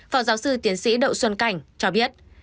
phó giáo sư tiến sĩ đậu xuân cảnh cho biết